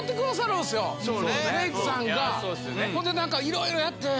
ほんでいろいろやって。